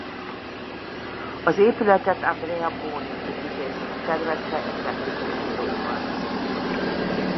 Az épületet Andrea Boni építész tervezte eklektikus stílusban.